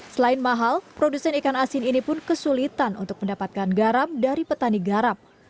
selain mahal produsen ikan asin ini pun kesulitan untuk mendapatkan garam dari petani garam